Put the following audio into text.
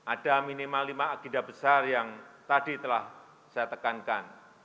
ada minimal lima agenda besar yang tadi telah saya tekankan